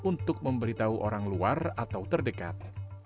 untuk memberitahu orang luar atau terdekat